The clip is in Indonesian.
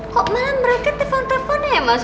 kok malah mereka telpon telpon ya mas